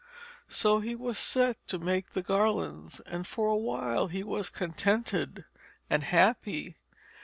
So he was set to make the garlands, and for a while he was contented and happy.